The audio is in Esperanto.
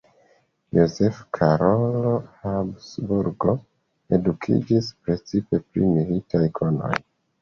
Jozefo Karolo Habsburg edukiĝis precipe pri militaj konoj.